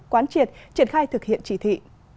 quán triệt triển khai thực hiện chỉ thị